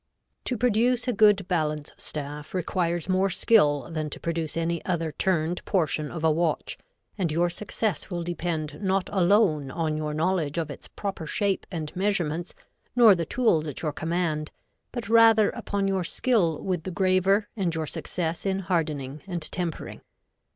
To produce a good balance staff requires more skill than to produce any other turned portion of a watch, and your success will depend not alone on your knowledge of its proper shape and measurements, nor the tools at your command, but rather upon your skill with the graver and your success in hardening and tempering.